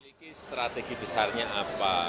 strategi strategi besarnya apa